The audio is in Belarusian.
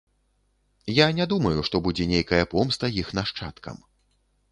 Я не думаю, што будзе нейкая помста іх нашчадкам.